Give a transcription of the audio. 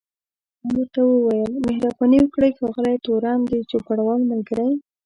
ما ورته وویل مهرباني وکړئ ښاغلی تورن، د چوپړوال ملګری.